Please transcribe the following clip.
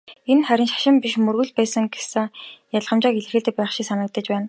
Энэ нь харин "шашин" биш "мөргөл" байсан гэсэн ялгамжааг илэрхийлж байх шиг санагдаж байна.